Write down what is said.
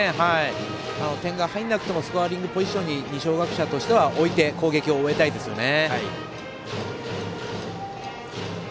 点が入らなくてもスコアリングポジションに二松学舎大付属としては置いて攻撃を終えたいですよね。